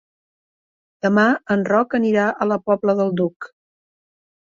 Demà en Roc anirà a la Pobla del Duc.